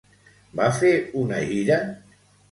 Va fer una gira?